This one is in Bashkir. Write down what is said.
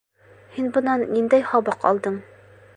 — Һин бынан ниндәй һабаҡ алдың?